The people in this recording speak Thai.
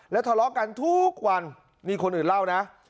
ทะเลาะกันทุกวันนี่คนอื่นเล่านะ